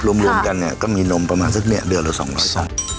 รวมกันเนี่ยก็มีนมประมาณสักเดือนละ๒๐๐ไส้